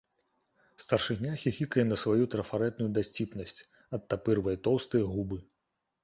Старшыня хіхікае на сваю трафарэтную дасціпнасць, адтапырвае тоўстыя губы.